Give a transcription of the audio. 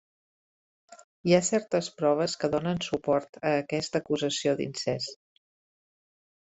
Hi ha certes proves que donen suport a aquesta acusació d'incest.